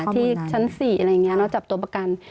ที่ชั้น๔อะไรอย่างนี้เราจับตัวประกัน